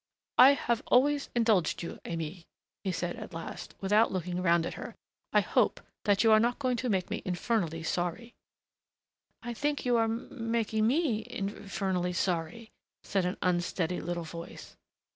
"I have always indulged you, Aimée," he said at last, without looking round at her. "I hope you are not going to make me infernally sorry." "I think you are m making me inf fernally sorry," said an unsteady little voice.